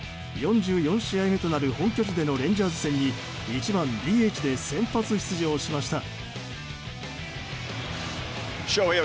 ４４試合目となる本拠地でのレンジャーズ戦で１番ＤＨで先発出場しました。